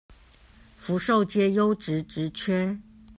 福壽街優質職缺